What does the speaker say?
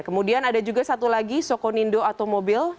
kemudian ada juga satu lagi sokonindo automobil